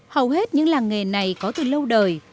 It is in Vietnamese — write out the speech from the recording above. hầu hết những làng nghề này có từ lâu đời